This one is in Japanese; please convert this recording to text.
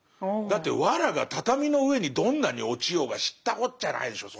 だって藁が畳の上にどんなに落ちようが知ったこっちゃないでしょ